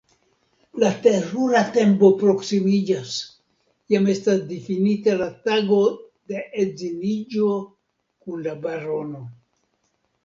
La terura tempo proksimiĝas: jam estas difinita la tago de edziniĝo kun la barono.